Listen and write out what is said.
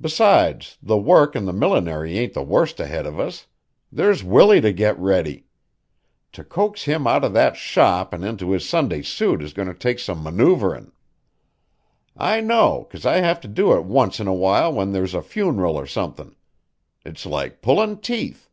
Besides, the work an' the millinery ain't the worst ahead of us. There's Willie to get ready. To coax him out of that shop an' into his Sunday suit is goin' to take some maneuverin'. I know, 'cause I have it to do once in a while when there's a funeral or somethin'. It's like pullin' teeth.